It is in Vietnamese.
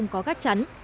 có gắt chắn